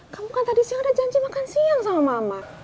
kamu kan tadi siang ada janji makan siang sama mama